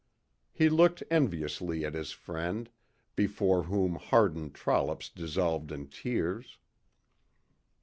He looked enviously at his friend, before whom hardened trollops dissolved in tears.